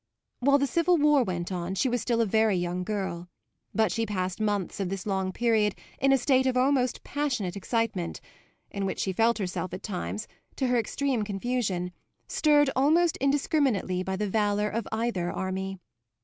While the Civil War went on she was still a very young girl; but she passed months of this long period in a state of almost passionate excitement, in which she felt herself at times (to her extreme confusion) stirred almost indiscriminately by the valour of either army.